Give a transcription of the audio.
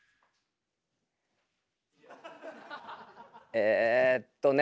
えっとね。